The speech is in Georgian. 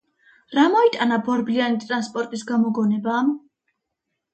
რა მოიტანა ბორბლიანი ტრანსპორტის გამოგონებამ?